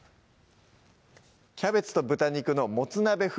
「キャベツと豚肉のもつ鍋風」